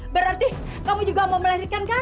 berarti kamu juga mau melahirkan kamu